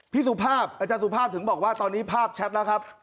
สุภาพอาจารย์สุภาพถึงบอกว่าตอนนี้ภาพแชทแล้วครับ